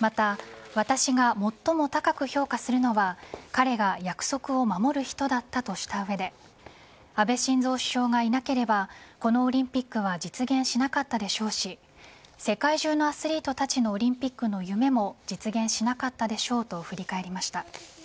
また、私が最も高く評価するのは彼が約束を守る人だったとした上で安倍晋三首相がいなければこのオリンピックは実現しなかったでしょうし世界中のアスリートたちのオリンピックの夢も実現しなかったでしょうと振り返りました。